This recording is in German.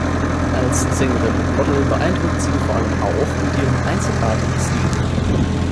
Als Sängerin und Model beeindruckt sie vor allem auch mit ihrem einzigartigen Stil.